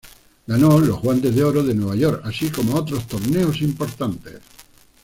Ganó los Guantes de Oro de Nueva York así como otros torneos importantes.